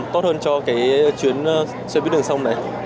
tốt hơn cho cái chuyến xe buýt đường sông này